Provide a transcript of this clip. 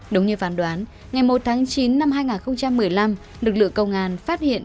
đúng như phán đoán ngày một tháng chín năm hai nghìn một mươi năm lực lượng công an phát hiện